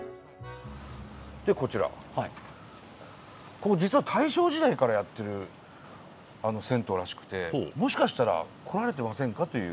ここ実は大正時代からやってる銭湯らしくてもしかしたら来られてませんかという。